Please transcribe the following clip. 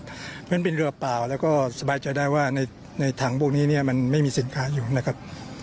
เพราะฉะนั้นเป็นเรือเปล่าแล้วก็สบายใจได้ว่าในถังพวกนี้มันไม่มีสินค้าอยู่นะครับ